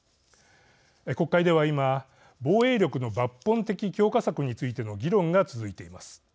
国会では今防衛力の抜本的強化策についての議論が続いています。